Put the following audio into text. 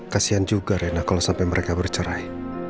kasian juga rena kalo sampe mereka bercerai